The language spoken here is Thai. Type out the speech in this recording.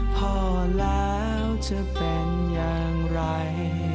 พอแล้วจะเป็นอย่างไร